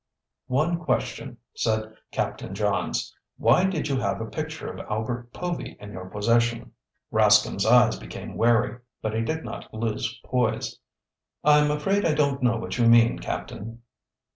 "One question," said Captain Johns. "Why did you have a picture of Albert Povy in your possession?" Rascomb's eyes became wary, but he did not lose poise. "I'm afraid I don't know what you mean, Captain."